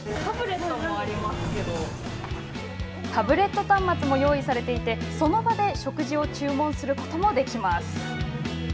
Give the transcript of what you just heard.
タブレット端末も用意されていてその場で食事を注文することもできます。